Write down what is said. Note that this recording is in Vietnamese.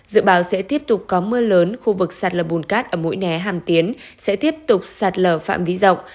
dự báo sẽ tiếp tục có mưa lớn khu vực sạt lờ bùn cát ở mũi nẻ hàm tiến sẽ tiếp tục sạt lờ phạm vĩ rộng